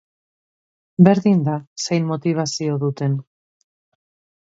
Berdin da zein motibazio duten.